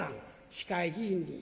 市会議員に」。